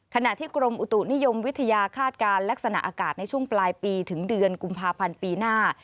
ขณะที่กรมอุตุนิยมวิทยาคาดการณ์ลักษณะอากาศในช่วงปลายปีถึงเดือนกุมภาพันธ์ปีหน้า